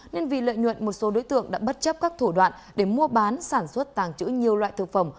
nên vì lợi nhuận một số đối tượng đã bất chấp các thủ đoạn để mua bán sản xuất tàng trữ nhiều loại thực phẩm